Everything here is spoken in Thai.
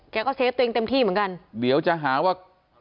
แกก็เซฟตัวเองเต็มที่เหมือนกันเดี๋ยวจะหาว่า